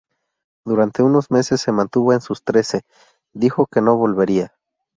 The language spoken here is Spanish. Durante unos meses se mantuvo en sus trece, dijo que no volvería.